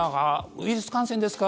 ウイルス感染ですか？